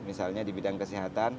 misalnya di bidang kesehatan